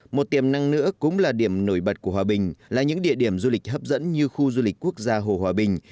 một tiềm năng nữa cũng là điểm nổi bật của hòa bình là những địa điểm du lịch hấp dẫn như khu du lịch quốc gia hồ hòa bình